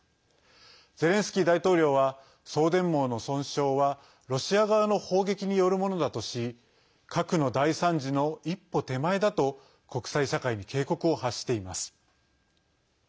ゼレンスキー大統領は送電網の損傷はロシア側の砲撃によるものだとし核の大惨事の一歩手前だと国際社会に警告を発しています。